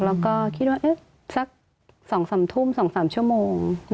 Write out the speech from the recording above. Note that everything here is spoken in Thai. แล้วก็คิดว่าสัก๒๓ทุ่ม๒๓ชั่วโมง